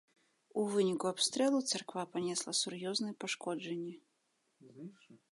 У выніку абстрэлу царква панесла сур'ёзныя пашкоджанні.